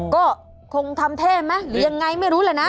ก็คงทำเท่ไหมหรือยังไงไม่รู้แหละนะ